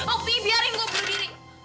oly biarin gua bunuh diri